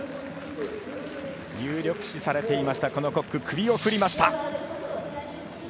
有力視されていましたこのコック、首を振りました。